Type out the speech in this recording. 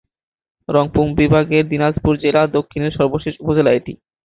রংপুর বিভাগের দিনাজপুর জেলার দক্ষিণের সর্বশেষ উপজেলা এটি।